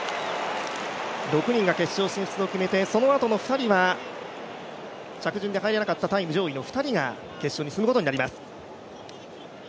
６人が決勝進出を決めてそのあとの２人は着順で入れなかった上位２人が決勝に進むことになります。